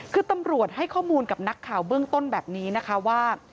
คือตำรวจให้ข้อมูลกับนักข่าวเบื้องต้นแบบนี้นะคะว่า